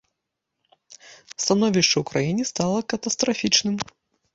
Становішча ў краіне стала катастрафічным.